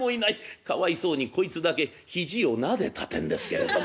かわいそうにこいつだけ肘をなでたってんですけれども。